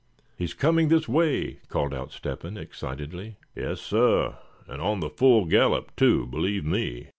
"He's coming this way!" called out Step hen, excitedly. "Yes, suh, and on the full gallop, too, believe me!"